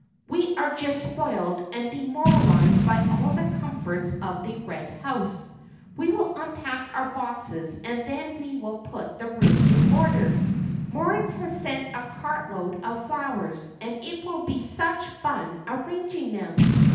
"We are just spoiled and demoralized by all the comforts of the Red House. We will unpack our boxes, and then we will put the room in order. Moritz has sent in a cartload of flowers, and it will be such fun arranging them!"